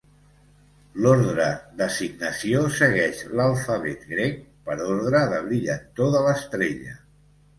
L'ordre d'assignació segueix l'alfabet grec per ordre de brillantor de l'estrella.